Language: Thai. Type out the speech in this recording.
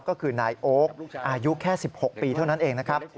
ก็คือนายโอ๊คอายุแค่๑๖ปีเท่านั้นเองนะครับ